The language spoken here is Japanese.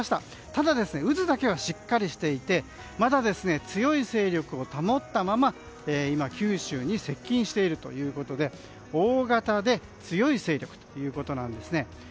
ただ、渦だけはしっかりしていてまだ強い勢力を保ったまま今、九州に接近しているということで大型で強い勢力ということなんですね。